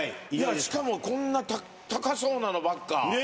しかもこんな高そうなのばっか。